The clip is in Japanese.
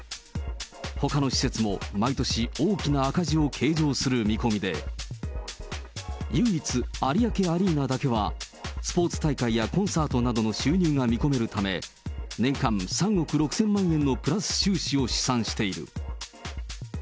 ほかの施設も毎年、大きな赤字を計上する見込みで、唯一、有明アリーナだけは、スポーツ大会やコンサートなどの収入が見込めるため、年間３億６０００万円のプラス収支を試算している。